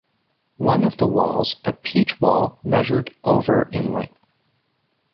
One of the walls, a peach wall, measured over in length.